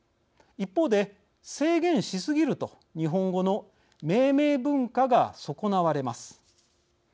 一方で制限しすぎると日本語の命名文化が損なわれます。